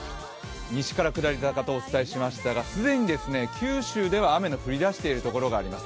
西から下り坂とお伝えしましたが既に九州では雨の降りだしている所があります。